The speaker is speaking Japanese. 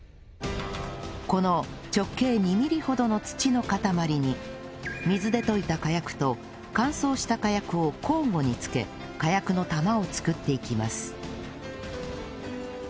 この直径２ミリほどの土の塊に水で溶いた火薬と乾燥した火薬を交互につけ火薬の玉を作っていきます